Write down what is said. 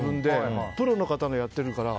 プロの方のをやっているから。